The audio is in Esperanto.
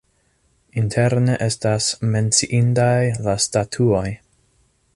Interne estas menciindaj la statuoj.